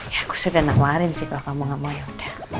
aku sudah nawarin sih kalau kamu gak mau yaudah